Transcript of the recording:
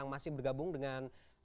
terima kasih banyak banyak